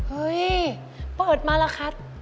เฮ่ยเปิดมาแล้วค่ะ